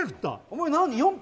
お前何？